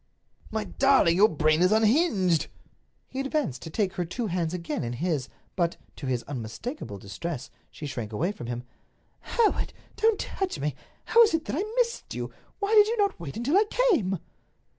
"My darling, your brain is unhinged!" He advanced to take her two hands again in his; but, to his unmistakable distress, she shrank away from him. "Hereward—don't touch me. How is it that I missed you? Why did you not wait until I came?"